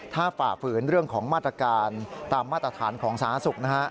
ถ้าฝ่าฝืนเรื่องของมาตรการตามมาตรฐานของสหสุทธิ์